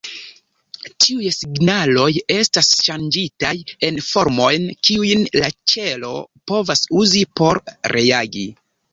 Tiuj signaloj estas ŝanĝitaj en formojn, kiujn la ĉelo povas uzi por reagi.